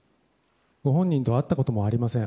ご本人と会ったこともありません。